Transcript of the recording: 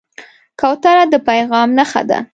کوتره د پیغام نښه ده.